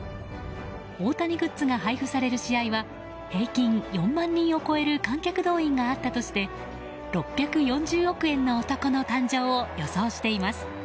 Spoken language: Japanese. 大谷グッズが配布される試合は平均４万人を超える観客動員があったとして６４０億円の男の誕生を予想しています。